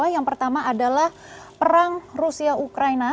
yang pertama adalah perang rusia ukraina